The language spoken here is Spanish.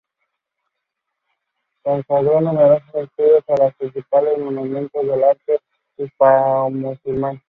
Consagró numerosos estudios a los principales monumentos del arte hispanomusulmán.